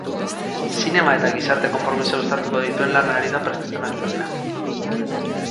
Zinema eta gizarte konpromisoa uztartuko dituen lana ari da prestatzen aktorea.